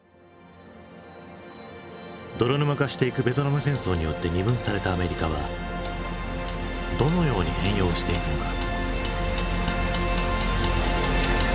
泥沼化していくベトナム戦争によって二分されたアメリカはどのように変容していくのか？